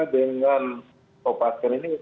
dengan opatkan ini sudah